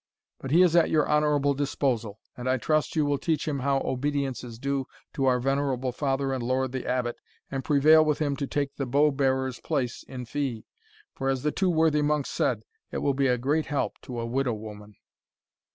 But he is at your honourable disposal, and I trust you will teach him how obedience is due to our venerable father and lord, the Abbot, and prevail with him to take the bow bearer's place in fee; for, as the two worthy monks said, it will be a great help to a widow woman."